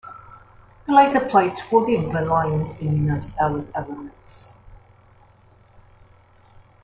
He later played for the England Lions in the United Arab Emirates.